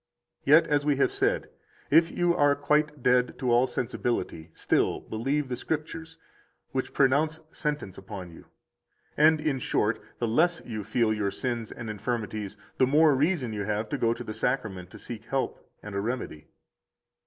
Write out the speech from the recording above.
78 Yet, as we have said, if you are quite dead to all sensibility, still believe the Scriptures, which pronounce sentence upon you. And, in short, the less you feel your sins and infirmities, the more reason have you to go to the Sacrament to seek help and a remedy.